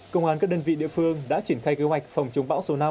công an các đơn vị địa phương đã triển khai kế hoạch phòng chống bão số năm